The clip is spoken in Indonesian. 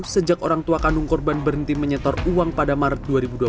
sejak orang tua kandung korban berhenti menyetor uang pada maret dua ribu dua puluh